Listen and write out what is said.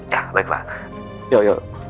ya baik pak